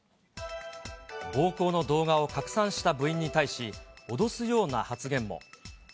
暴行の動画を拡散した部員に対し、脅すような発言も。